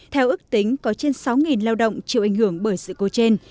theo ước tính có trên sáu lao động chịu ảnh hưởng bởi sự cố trên